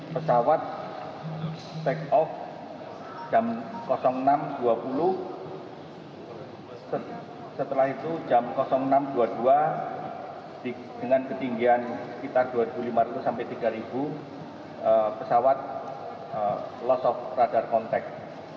pesawat take off jam enam dua puluh setelah itu jam enam dua puluh dua dengan ketinggian sekitar dua lima ratus sampai tiga pesawat los of radar contact